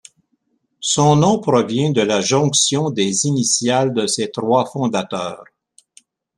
Son nom provient de la jonction des initiales de ses trois fondateurs.